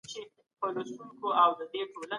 د احمد شاه بابا په وخت کي کوم دودونه عام وو؟